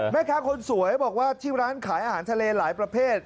แม่ค้าคนสวยบอกว่าที่ร้านขายอาหารทะเลหลายประเภท